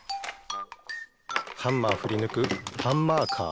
ハンマーふりぬくハンマーカー。